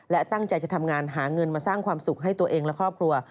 และตั้งใจจะทำงานหาเงินมาสร้างความสุขให้ตัวเองและครอบครัว